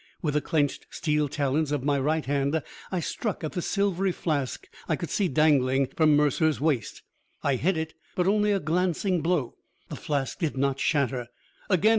With the clenched steel talons of my right hand, I struck at the silvery flask I could see dangling from Mercer's waist. I hit it, but only a glancing blow; the flask did not shatter. "Again!"